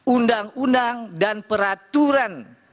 undang undang dan peraturan